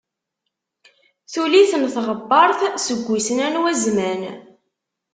Tuli-ten tɣebbart seg wissen anwa zzman.